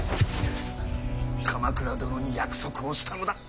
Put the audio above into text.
鎌倉殿に約束をしたのだ。